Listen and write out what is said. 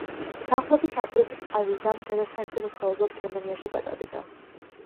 დაახლოებით ამ დროს, აზიზამ დედასთან ერთად საცხოვრებლად გერმანიაში გადავიდა.